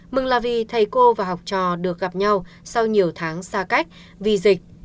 mừng là vì thầy cô và học trò được gặp nhau sau nhiều tháng xa cách vì dịch